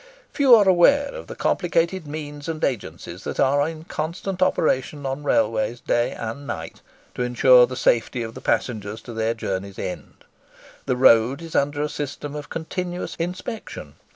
Few are aware of the complicated means and agencies that are in constant operation on railways day and night, to ensure the safety of the passengers to their journey's end. The road is under a system of continuous inspection.